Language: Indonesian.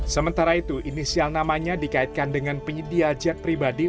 sementara itu inisial namanya dikaitkan dengan penyedia jet pribadi